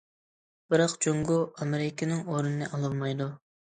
بىراق جۇڭگو ئامېرىكىنىڭ ئورنىنى ئالالمايدۇ.